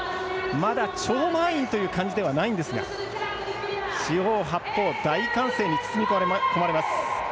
まだ、超満員という感じではないんですが四方八方、大歓声に包み込まれます。